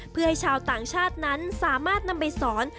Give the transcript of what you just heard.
เพื่อให้ชาวต่างชาตินั้นสามารถนำไปสอน